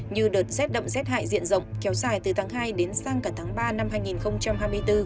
như đợt rét đậm rét hại diện rộng kéo dài từ tháng hai đến sang cả tháng ba năm hai nghìn hai mươi bốn